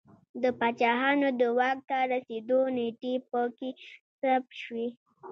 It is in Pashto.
د پاچاهانو د واک ته رسېدو نېټې په کې ثبت شوې